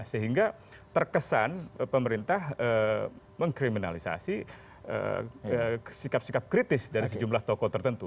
sehingga terkesan pemerintah mengkriminalisasi sikap sikap kritis dari sejumlah tokoh tertentu